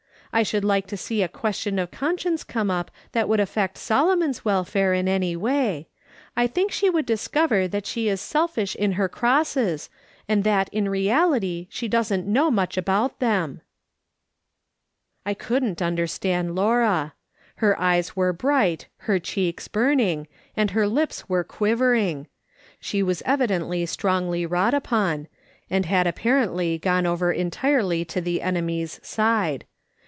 I should like to see a ques tion of conscience come up that would affect Solomon's welfare in any way. I think she would discover that she is selfish in her crosses, and that in reality she doesn't know much about them." I couldn't understand Laura. Her eyes were bright, her cheeks burning, and her lips were quiver ing. She w^as evidently strongly wrought upon, and had apparently gone over entirely to the enemy's side.